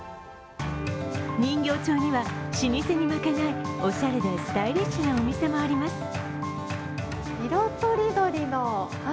人形町には、老舗に負けない、おしゃれでスタイリッシュなお店もあります。